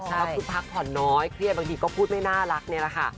แล้วคือพักผ่อนน้อยเครียดบางทีก็พูดไม่น่ารักนี่แหละค่ะ